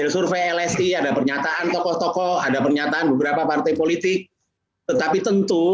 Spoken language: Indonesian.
survei lsi ada pernyataan tokoh tokoh ada pernyataan beberapa partai politik tetapi tentu